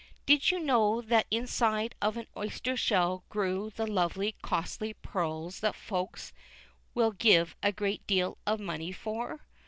Did you know that inside of an oyster shell grew the lovely, costly pearls that Folks will give a great deal of money for?